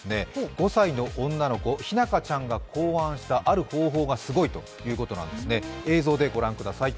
５歳の女の子ひなかちゃんが考案したある方法がすごいと話題になりいました。